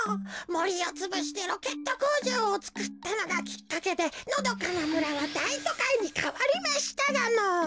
もりをつぶしてロケットこうじょうをつくったのがきっかけでのどかなむらはだいとかいにかわりましたがのぉ。